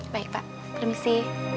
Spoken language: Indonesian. baik pak permisi